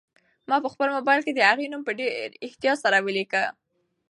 ما په خپل موبایل کې د هغې نوم په ډېر احتیاط سره ولیکه.